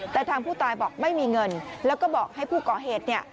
แต่ทางผู้ตายบอกไม่มีเงินแล้วก็บอกให้ผู้ก่อเหตุ